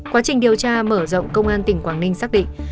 quá trình điều tra mở rộng công an tỉnh quảng ninh xác định